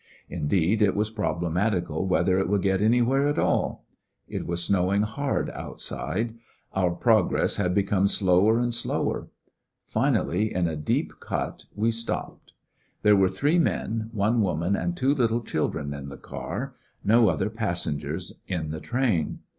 Indeed, it was problematical whether it would get anywhere at all. It was snowing hard outside. Our progress had become slower and slower. Finally, in a deep cut, we stopped. There were three men, one woman, and two little children in the car— no other passengers in the train.